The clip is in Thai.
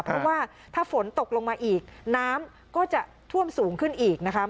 เพราะว่าถ้าฝนตกลงมาอีกน้ำก็จะท่วมสูงขึ้นอีกนะคะ